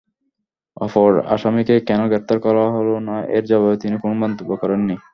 অপর আসামিকে কেন গ্রেপ্তার করা হলো না—এর জবাবে তিনি কোনো মন্তব্য করেননি।